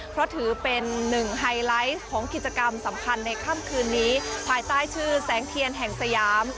เพราะถือเป็นหนึ่งไฮไลท์ของกิจกรรมสำคัญในค่ำคืนนี้ภายใต้ชื่อแสงเทียนแห่งสยาม